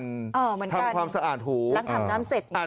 ทำความสะอาดหูหลังอาบน้ำเสร็จ